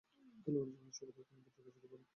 খেলোয়াড়ী জীবনের শুরুতেই তিনি বিতর্কে জড়িয়ে পড়েন।